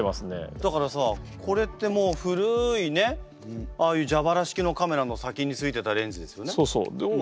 だからさこれってもう古いねああいうじゃばら式のカメラの先についてたレンズですよね？